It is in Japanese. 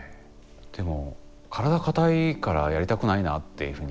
でも体硬いからやりたくないなっていうふうに。